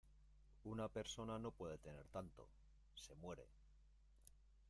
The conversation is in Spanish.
una persona no puede tener tanto, se muere.